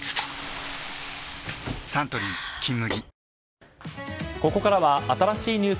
サントリー「金麦」